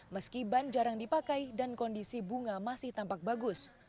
meski ban jarang dipakai dan kondisi bunga masih tampak bagus